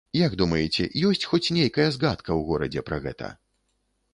Як думаеце, ёсць хоць нейкая згадка ў горадзе пра гэта?